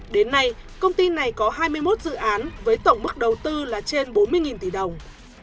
đến nay công ty này có hai mươi một dự án với tổng mức đầu tư là trên bốn mươi tỷ đồng